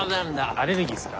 アレルギーっすか？